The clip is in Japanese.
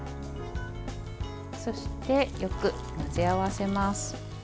そして、よく混ぜ合わせます。